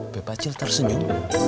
bapak acil tersenyum